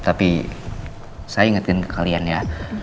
tapi saya ingetin ke kalian ya